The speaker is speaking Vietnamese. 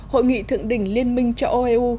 hội nghị thượng đỉnh liên minh châu âu eu